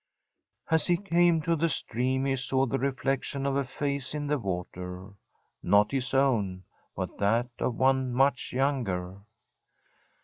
As he came to the stream, he saw the reflection of a face in the water not his own, but that of one much younger.